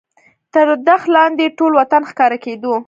تر دښت لاندې ټول وطن ښکاره کېدو.